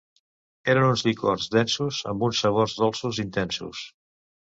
Eren uns licors densos, amb uns sabors dolços, intensos.